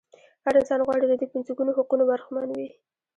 هر انسان غواړي له دې پنځه ګونو حقوقو برخمن وي.